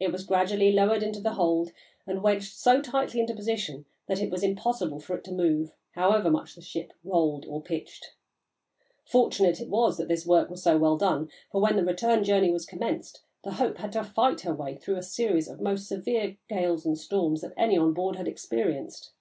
It was gradually lowered into the hold and wedged so tightly into position that it was impossible for it to move, however much the ship rolled or pitched. Fortunate it was this work was so well done, for when the return journey was commenced the Hope had to fight her way through a series of the most severe gales and storms that any on board had experienced.